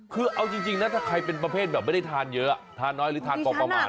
คือเอาจริงนะถ้าใครเป็นประเภทแบบไม่ได้ทานเยอะทานน้อยหรือทานพอประมาณ